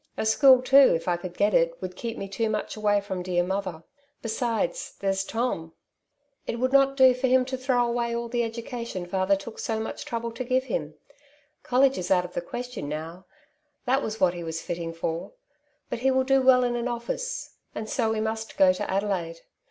A school too, if I could get it, would keep me too much away from dear mother. Besides, there's Tom. It would not do for him to throw away all the education father took The little House in the back Street. 7 so mucli trouble to give him. College is out of the question now ; that was what he was fitting for ; but he will do well in an office, and so we must go to Adelaide.